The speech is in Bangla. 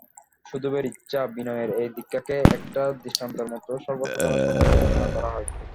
সুধীরের ইচ্ছা, বিনয়ের এই দীক্ষাকে একটা দৃষ্টান্তের মতো সর্বসাধারণের সম্মুখে ঘোষণা করা হয়।